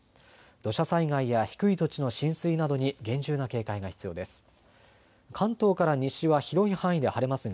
土砂災害や低い土地の浸水などに厳重な警戒が必要です。